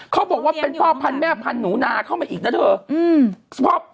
เขาบอกว่าเป็นพ่อพันธุแม่พันธุนาเข้ามาอีกนะเถอะ